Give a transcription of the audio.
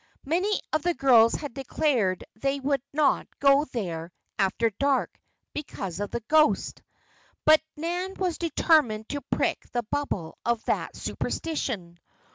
Many of the girls had declared they would not go there after dark because of the ghost. But Nan was determined to prick the bubble of that superstition.